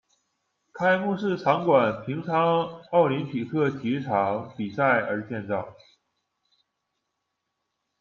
开幕式场馆平昌奥林匹克体育场比赛而建造。